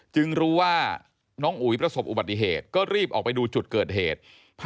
รู้ว่าน้องอุ๋ยประสบอุบัติเหตุก็รีบออกไปดูจุดเกิดเหตุ